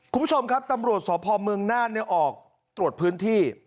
คุณผู้ชมครับตำรวจศาสตร์ภอมเมืองนาฬนี่ออกตรวจพื้นที่